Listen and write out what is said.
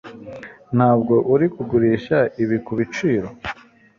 Ntabwo urimo kugurisha ibi kubiciro?